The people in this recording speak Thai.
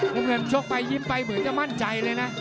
น้ำเงินชกไปยิ้มไปเหมือนจะมั่นใจเลยนะ